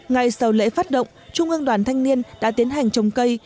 ngay sau lễ phát động trung ương đoàn thanh niên đã tiến hành trồng cây